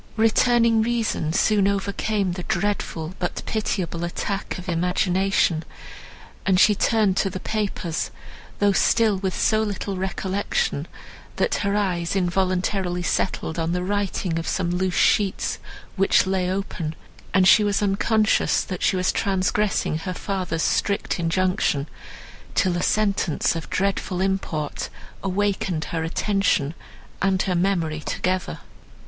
Returning reason soon overcame the dreadful, but pitiable attack of imagination, and she turned to the papers, though still with so little recollection, that her eyes involuntarily settled on the writing of some loose sheets, which lay open; and she was unconscious, that she was transgressing her father's strict injunction, till a sentence of dreadful import awakened her attention and her memory together.